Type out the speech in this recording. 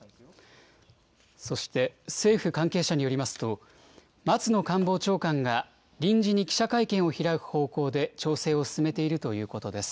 そして、政府関係者によりますと、松野官房長官が、臨時に記者会見を開く方向で調整を進めているということです。